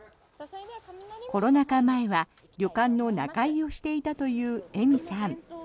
コロナ禍前は旅館の仲居をしていたという笑海さん。